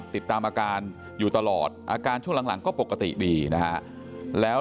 ติดตามอาการอยู่ตลอดอาการช่วงหลังก็ปกติดีนะฮะแล้ว